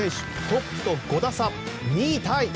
トップと５打差、２位タイ。